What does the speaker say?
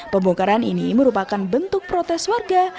pembongkaran ini merupakan bentuk protes warga